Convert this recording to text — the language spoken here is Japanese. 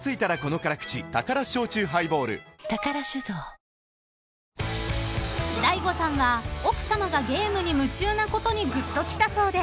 ニトリ［ＤＡＩＧＯさんは奥さまがゲームに夢中なことにグッときたそうで。